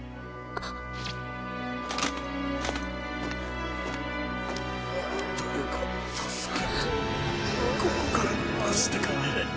・うぅ・・誰か助けて・ここから出してくれ。